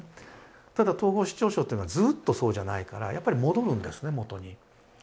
ただ統合失調症っていうのはずっとそうじゃないからやっぱり戻るんですね元に。